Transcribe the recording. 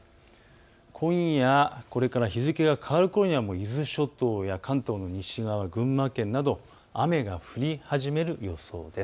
今夜、これから日付が変わるころには伊豆諸島や関東の西側、群馬県など雨が降り始める予想です。